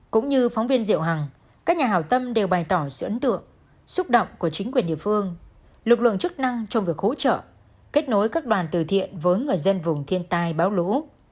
cũng như phóng viên diệu hằng các nhà hào tâm đều bày tỏ sự ấn tượng xúc động của chính quyền địa phương lực lượng chức năng trong việc hỗ trợ kết nối các đoàn từ thiện với người dân vùng thiên tai báo lũ